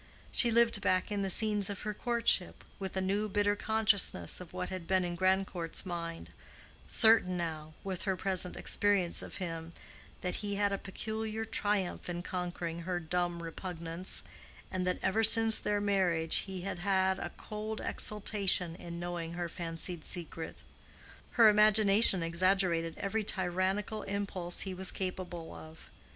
She lived back in the scenes of her courtship, with the new bitter consciousness of what had been in Grandcourt's mind—certain now, with her present experience of him, that he had a peculiar triumph in conquering her dumb repugnance, and that ever since their marriage he had had a cold exultation in knowing her fancied secret. Her imagination exaggerated every tyrannical impulse he was capable of.